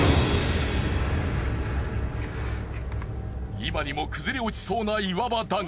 今にも崩れ落ちそうな岩場だが。